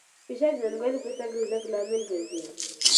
فشار د ننګونې په سترګه د زده کړې لامل ګرځي.